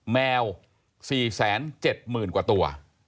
แมว๔๗๐๐๐กว่าตัว